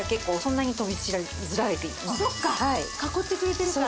そっか囲ってくれてるから。